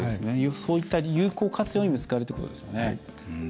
そういった有効活用にも使えるということですね。